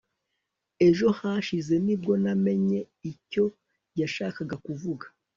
ejo hashize nibwo namenye icyo yashakaga kuvuga